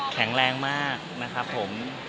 แข็งแรงมากนะครับผม